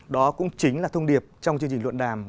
đó cũng chính là thông điệp trong chương trình luận đàm